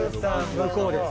「向こうです」